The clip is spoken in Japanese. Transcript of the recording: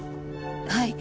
はい。